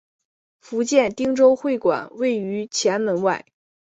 福建汀州会馆位于前门外。